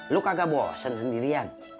lo kagak bosen sendirian